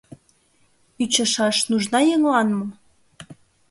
Ӱчашаш — нужна еҥлан мо?